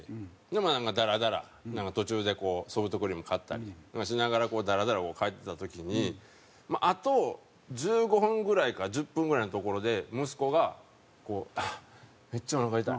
なんかダラダラ途中でソフトクリーム買ったりしながらダラダラ帰ってた時にあと１５分ぐらいか１０分ぐらいの所で息子が「あっめっちゃおなか痛い。